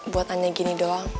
buat tanya gini doang